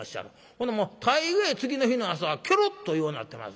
ほなもう大概次の日の朝はケロッとようなってます。